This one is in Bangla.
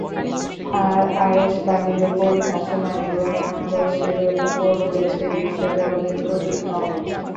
আর আরশ পানির উপর ভাসমান এবং আরশের উপর রয়েছেন বিশ্বজগতের প্রতিপালক।